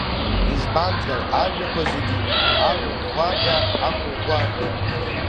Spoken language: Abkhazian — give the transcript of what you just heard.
Иызбанзар, ажәақәа зегьы аруӷәӷәага ақәыӷәӷәара…